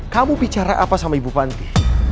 kamu bicara apa sama ibu panti